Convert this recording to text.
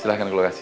silahkan gue kasih